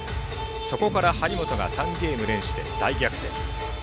そこから張本が３ゲーム連取で大逆転。